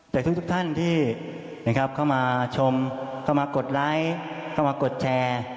แต่ทุกท่านที่เข้ามาชมเข้ามากดไลค์เข้ามากดแชร์